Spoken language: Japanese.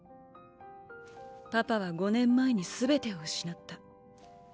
パパは５年前にすべてを失った。